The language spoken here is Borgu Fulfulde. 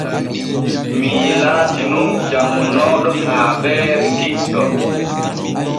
Mii laatin nun janŋunooɗo haaɓeere kiɗɗo.